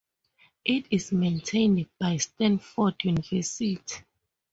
It is maintained by Stanford University.